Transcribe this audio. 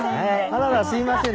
あららすいません。